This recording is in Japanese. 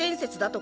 と